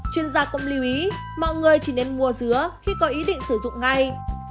chuyên gia cũng lưu ý mọi người chỉ nên mua dứa khi có ý định sử dụng ngay